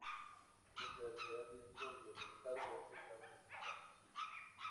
Hubo que retirar discos del mercado ya que estaban infectados.